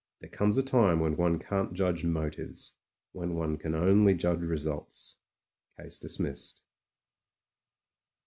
There comes a time when one can't judge motives; when one can only judge results. Case dis missed."